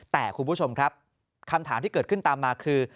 แต่คุณผู้ชมครับคำถามที่เกิดขึ้นตามมาคือ